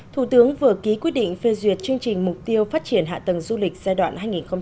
thủ tướng vừa ký quyết định phê duyệt chương trình mục tiêu phát triển hạ tầng du lịch giai đoạn hai nghìn một mươi sáu hai nghìn hai mươi